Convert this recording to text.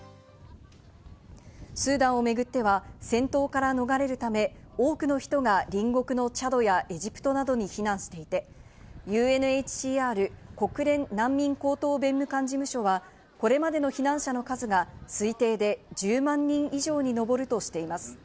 スーダンをめぐっては、戦闘から逃れるため多くの人が隣国のチャドやエジプトなどに避難していてＵＮＨＣＲ＝国連難民高等弁務官事務所はこれまでの避難者の数が推定で１０万人以上にのぼるとしています。